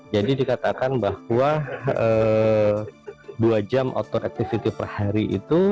jadi dikatakan bahwa dua jam outdoor activity per hari itu